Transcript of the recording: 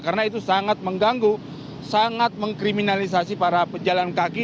karena itu sangat mengganggu sangat mengkriminalisasi para pejalan kaki